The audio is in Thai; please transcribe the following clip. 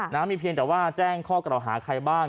นะมีเพียงแต่ว่าแจ้งข้อกล่าวหาใครบ้าง